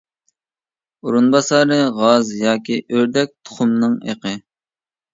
ئورۇنباسارى غاز ياكى ئۆردەك تۇخۇمىنىڭ ئېقى.